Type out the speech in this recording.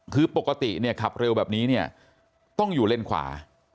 คือปกติเนี่ยขับเร็วแบบนี้เนี่ยต้องอยู่เลนขวา